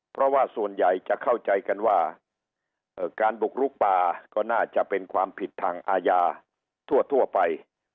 เพราะว่าส่วนใหญ่จะเข้าใจกันว่าการบุกลุกป่าก็น่าจะเป็นความผิดทางอาญาทั่วไป